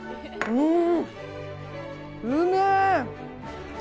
うん。